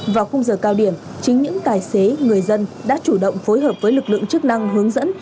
vào khung giờ cao điểm chính những tài xế người dân đã chủ động phối hợp với lực lượng chức năng hướng dẫn